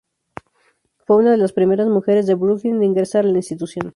Fue una de las primeras mujeres de Brooklyn en ingresar a la institución.